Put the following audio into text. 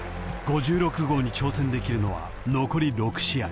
［５６号に挑戦できるのは残り６試合］